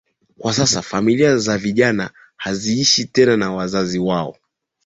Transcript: Kwa sasa familia za vijana haziishi tena na wazazi wao